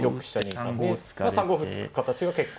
３五歩突く形が結構。